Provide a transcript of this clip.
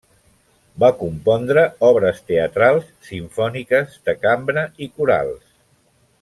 Va compondre obres teatrals, simfòniques, de cambra i corals.